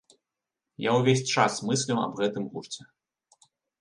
Я ўвесь час мысліў аб гэтым гурце.